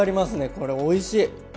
これおいしい！